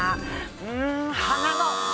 うーん『花の』。